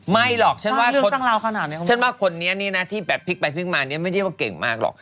ไม่หรอกฉันว่าฉันว่าคนนี้นี่นะที่แบบพลิกไปพลิกมาเนี่ยไม่ได้ว่าเก่งมากหรอก